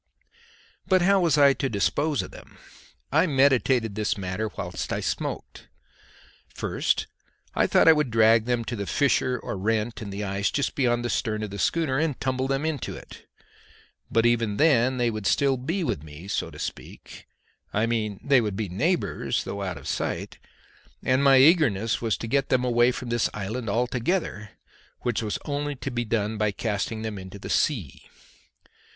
But how was I to dispose of them? I meditated this matter whilst I smoked. First I thought I would drag them to the fissure or rent in the ice just beyond the stern of the schooner and tumble them into it. But even then they would still be with me, so to speak I mean, they would be neighbours though out of sight; and my eagerness was to get them away from this island altogether, which was only to be done by casting them into the sea.